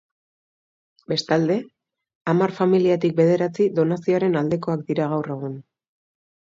Bestalde, hamar familiatik bederatzi donazioaren aldekoak dira gaur egun.